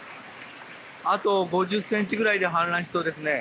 あと５０センチぐらいで氾濫しそうですね。